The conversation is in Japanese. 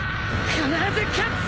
必ず勝つ！